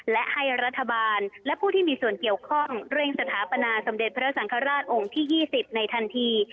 และให้รัฐบาลและผู้ที่มีส่วนเกี่ยวข้องเร่งสถาปนาสมเด็จพระสังฆราชองค์ที่๒๐ในทันที